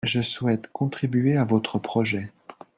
Je souhaite contribuer à votre projet